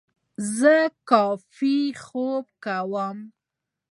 زه کافي خوب کوم.